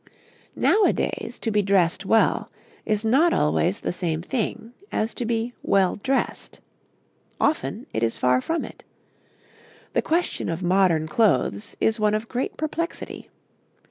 Nowadays to be dressed well is not always the same thing as to be well dressed. Often it is far from it. The question of modern clothes is one of great perplexity.